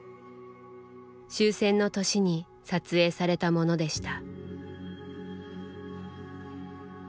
終戦の年に撮影されたものでした。